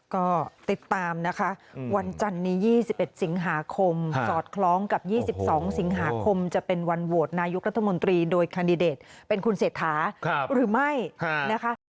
ก็ติดตามนะคะวันจันนี้๒๑สิงหาคมสอดคล้องกับ๒๒สิงหาคมจะเป็นวันโหวตนายกรัฐมนตรีโดยแคนดิเดตเป็นคุณเศรษฐาหรือไม่นะคะ